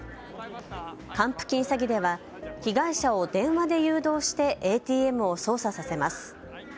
還付金詐欺では被害者を電話で誘導してＡＴＭを操作させます。